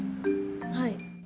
はい。